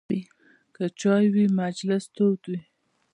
که چای وي، مجلس تود وي.